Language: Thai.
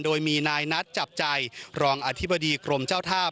โดยมีนายนัดจับใจรองอธิบดีกรมเจ้าท่า